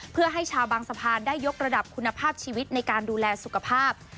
เพื่อให้ชาวบางสะพานได้ยกระดับคุณภาพชีวิตในการดูแลสุขภาพ